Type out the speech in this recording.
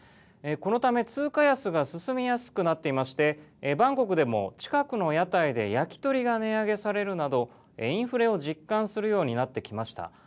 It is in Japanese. このため、通貨安が進みやすくなっていましてバンコクでも近くの屋台で焼き鳥が値上げされるなどインフレを実感するようになってきました。